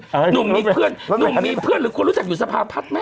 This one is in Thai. หนุ่มมีเพื่อนหนุ่มมีเพื่อนหรือคนรู้จักอยู่สภาพัฒน์ไหม